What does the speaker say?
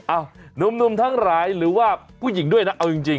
หนุ่มทั้งหลายหรือว่าผู้หญิงด้วยนะเอาจริง